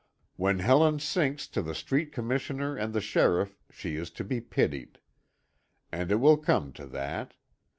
When Helen sinks to the street commissioner and the sheriff, she is to be pitied. And it will come to that.